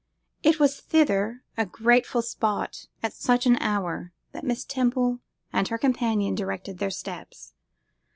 It was thither, a grateful spot at such an hour, that Miss Temple and her companion directed their steps.